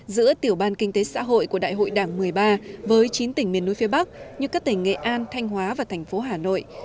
giữa tiểu ban kinh tế xã hội của đại hội đảng một mươi ba với chín tỉnh miền núi phía bắc như các tỉnh nghệ an thanh hóa và thành phố hà nội